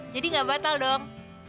jadi gak batal dong